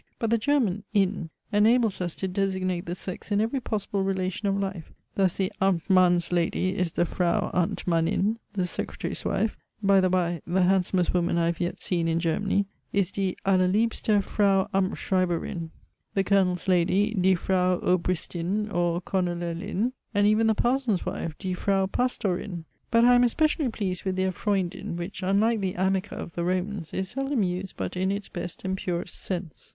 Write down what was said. But the German, inn, enables us to designate the sex in every possible relation of life. Thus the Amtmann's lady is the Frau Amtmanninn the secretary's wife, (by the bye, the handsomest woman I have yet seen in Germany,) is die allerliebste Frau Amtsschreiberinn the colonel's lady, die Frau Obristinn or Colonellinn and even the parson's wife, die Frau Pastorinn. But I am especially pleased with their Freundinn, which, unlike the amica of the Romans, is seldom used but in its best and purest sense.